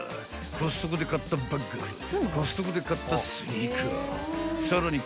［コストコで買ったバッグコストコで買ったスニーカーさらに